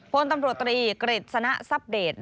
โพนตำรวจตรีกฤษณะซับเดท